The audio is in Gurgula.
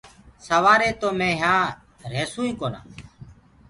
سوآري تو مي يهآنٚ ريهسوئيٚ ڪونآ